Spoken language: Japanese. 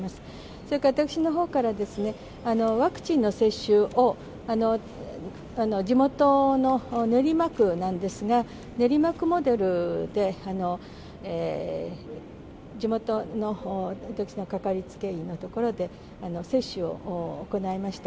それから私のほうからですね、ワクチンの接種を、地元の練馬区なんですが、練馬区モデルで地元の私の掛かりつけ医の所で、接種を行いました。